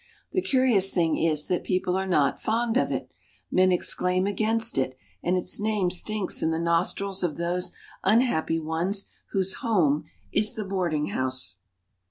The curious thing is that people are not fond of it. Men exclaim against it, and its name stinks in the nostrils of those unhappy ones whose home is the boarding house.